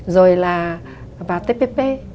rồi là vào tpp